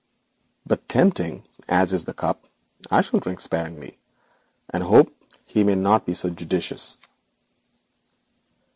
But tempting as is the cup, I shall drink sparingly, and hope he may not be so judicious.'